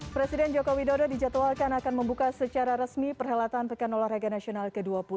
presiden joko widodo dijadwalkan akan membuka secara resmi perhelatan pekan olahraga nasional ke dua puluh